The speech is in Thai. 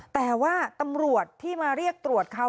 แต่ว่าตำรวจที่มาเรียกตรวจเขา